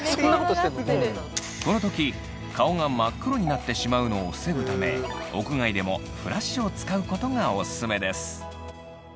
この時顔が真っ黒になってしまうのを防ぐため屋外でもフラッシュを使うことがオススメです。